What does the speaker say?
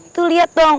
tuh liat dong